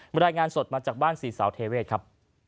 มันได้งานสดมาจากบ้านศรีเสาเทเวศครับ